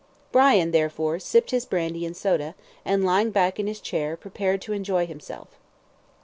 Brian, therefore, sipped his brandy and soda, and, lying back in his chair, prepared to enjoy himself.